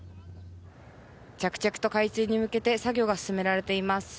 着々と開通に向けて作業が進められています。